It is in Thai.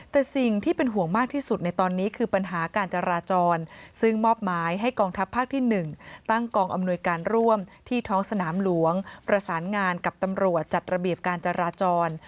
แต่สิ่งที่เป็นห่วงมากที่สุดในตอนนี้คือปัญหาการจราจรซึ่งมอบหมายให้กองทัพภาคที่๑ตั้งกองอำนวยการร่วมที่ท้องสนามหลวงประสานงานกับตำรวจจัดระเบียบการจราจร